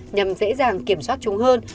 nhằm dễ dàng kiểm soát chúng hơn